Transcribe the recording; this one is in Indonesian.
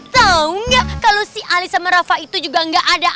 tau nggak kalau si alin sama merafa itu juga nggak ada